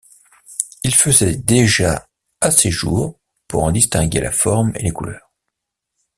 Il faisait déjà assez jour pour en distinguer la forme et les couleurs.